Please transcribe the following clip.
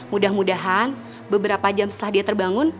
mudah mudahan beberapa jam setelah dia terbangun